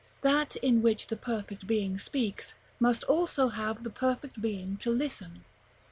That in which the perfect being speaks, must also have the perfect being to listen.